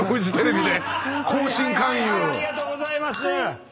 はいはいありがとうございます。